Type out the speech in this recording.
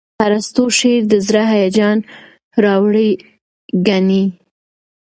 ارستو شعر د زړه هیجان راوړي ګڼي.